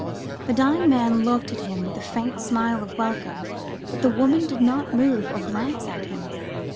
The dying man looked at him with a faint smile of welcome, but the woman did not move or glance at him.